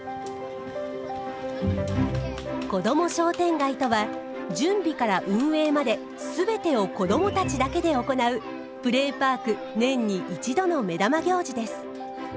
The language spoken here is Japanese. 子ども商店街とは準備から運営まで全てを子どもたちだけで行うプレーパーク年に一度の目玉行事です。